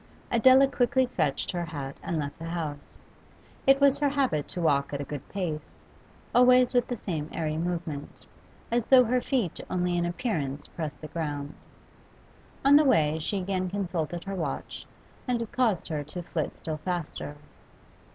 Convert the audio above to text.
Adela quickly fetched her hat and left the house. It was her habit to walk at a good pace, always with the same airy movement, as though her feet only in appearance pressed the ground. On the way she again consulted her watch, and it caused her to flit still faster.